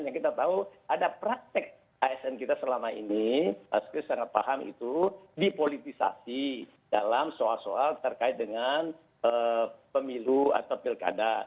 yang kita tahu ada praktek asn kita selama ini pasti sangat paham itu dipolitisasi dalam soal soal terkait dengan pemilu atau pilkada